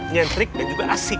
nyentrik dan juga asik